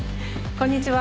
こんにちは。